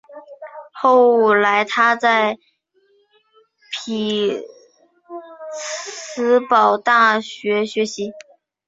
后来他在匹兹堡大学学习。